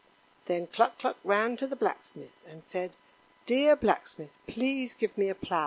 Then Cluck cluck ran to the Blacksmith and said: "Dear Blacksmith, please give me a plow.